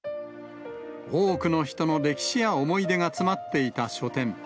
多くの人の歴史や思い出が詰まっていた書店。